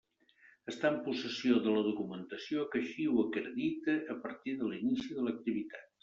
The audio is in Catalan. Estar en possessió de la documentació que així ho acredite a partir de l'inici de l'activitat.